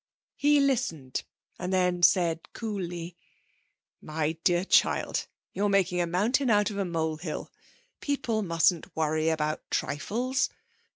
He listened, and then said cooly: 'My dear child, you're making a mountain out of a molehill. People mustn't worry about trifles.